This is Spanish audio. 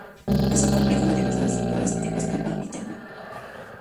Es un complejo de diversas estructuras tipo estupa y templo.